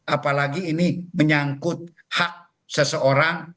apalagi ini menyangkut hak seseorang